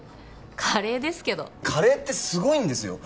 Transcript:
カレーですけどカレーってすごいんですよ